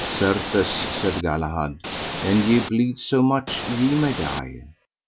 Certes, said Galahad, an ye bleed so much ye may die.